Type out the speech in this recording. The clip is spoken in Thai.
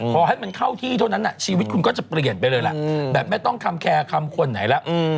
ขอให้มันเข้าที่เท่านั้นชีวิตคุณก็จะเปลี่ยนไปเลยล่ะแบบไม่ต้องคำแคร์คำคนไหนแล้ว